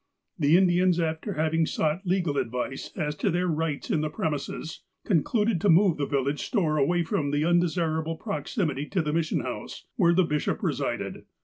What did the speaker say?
The Indians, after having sought legal advice as to their rights in the premises, concluded to move the vil lage store away from the undesirable j)roximity to the Mission House, where the bishop resided.